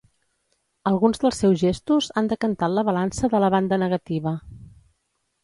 Alguns dels seus gestos han decantat la balança de la banda negativa.